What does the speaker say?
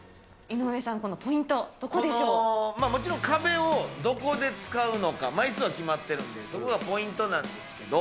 井上さん、このポイント、どこでもちろん壁をどこで使うのか、枚数は決まってるんで、そこがポイントなんですけど。